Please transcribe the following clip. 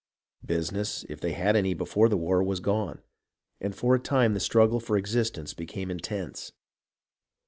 Business, if they had had any before the war, was gone, and for a time the struggle for existence became intense.